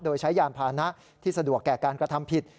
โดยใช้ยานพานะที่สะดวกแก่การกระทำผิด